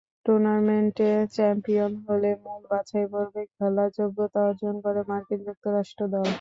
টুর্নামেন্টে চ্যাম্পিয়ন হয়ে মূল বাছাইপর্বে খেলার যোগ্যতা অর্জন করে মার্কিন যুক্তরাষ্ট্র দল।